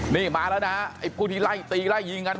นี่มาแล้วนะไอ้ผู้ที่ไล่ตีไล่ยิงกัน